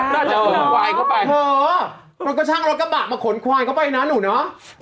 ก็แบบอ่ะเป้าก็ชั่งรถกระบะมาขนควายเข้าไปนะหนูเนอะ